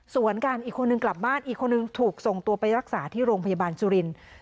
ส่วนกันอีกคนนึงกลับบ้านอีกคนหนึ่งถูกรักษาที่โรงพยาบาลจุริน